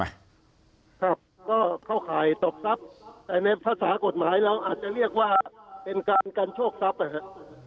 ครับก็เข้าข่ายตบทรัพย์แต่ในภาษากฎหมายเราอาจจะเรียกว่าเป็นการกันโชคทรัพย์นะฮะ